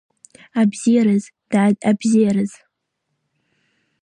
Абзиараз, дад, абзиараз!